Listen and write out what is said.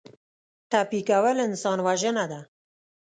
ټپي کول انسان وژنه ده.